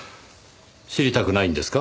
知りたくないんですか？